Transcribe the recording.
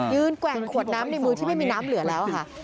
แกว่งขวดน้ำในมือที่ไม่มีน้ำเหลือแล้วค่ะ